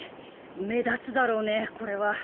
目立つだろうねこれは。